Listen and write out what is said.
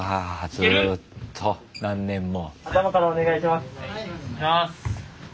ずっと何年も。